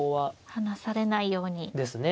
離されないように行きたいですね。